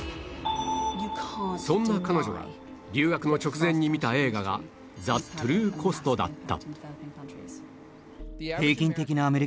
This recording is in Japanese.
そんな彼女が留学の直前に見た映画が『ザ・トゥルー・コスト』だった